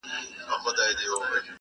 او څه کم دوه زره کورونه پکښی تباه سول -